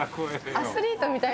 アスリートみたい。